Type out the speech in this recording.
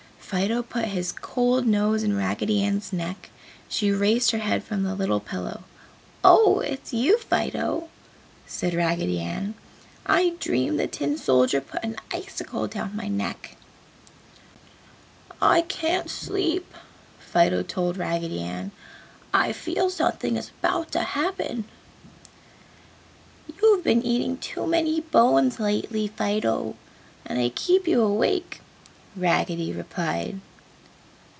Fido put his cold nose in Raggedy Ann's neck. She raised her head from the little pillow. "Oh! It's you, Fido!" said Raggedy Ann. "I dreamed the tin soldier put an icicle down my neck!" "I can't sleep," Fido told Raggedy Ann. "I feel that something is about to happen!" "You have been eating too many bones lately, Fido, and they keep you awake," Raggedy replied.